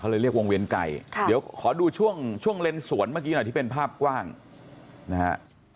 เลยเรียกวงเวียนไก่เดี๋ยวขอดูช่วงช่วงเลนสวนเมื่อกี้หน่อยที่เป็นภาพกว้างนะฮะ